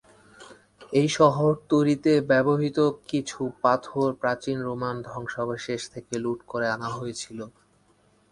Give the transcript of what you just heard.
এই শহর তৈরিতে ব্যবহৃত কিছু পাথর প্রাচীন রোমান ধ্বংসাবশেষ থেকে লুট করে আনা হয়েছিলো।